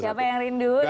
siapa yang rindu